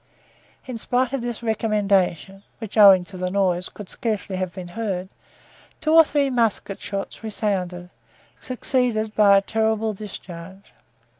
In spite of this recommendation, which, owing to the noise, could scarcely have been heard, two or three musket shots resounded, succeeded by a terrible discharge.